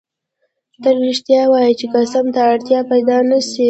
تل رښتیا وایه چی قسم ته اړتیا پیدا نه سي